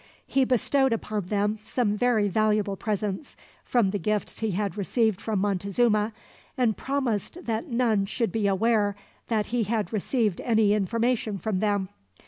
He bestowed upon them some very valuable presents, from the gifts he had received from Montezuma, and promised that none should be aware that he had received any information from them.